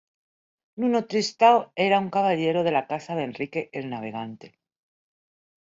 Nuno Tristão era un caballero de la casa de Enrique el Navegante.